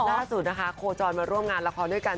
ล่าสุดนะคะโคจรมาร่วมงานละครด้วยกัน